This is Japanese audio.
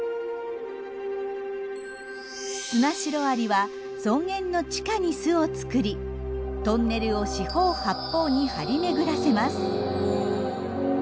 スナシロアリは草原の地下に巣を作りトンネルを四方八方に張り巡らせます。